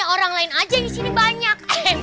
orang lain aja yang disini banyak